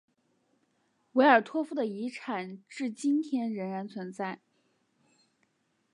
维尔托夫的遗产至今天仍然存在。